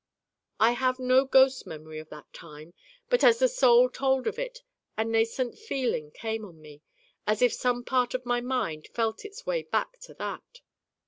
I have no ghost memory of that time, but as the Soul told of it a nascent feeling came on me, as if some part of my Mind felt its way back to that.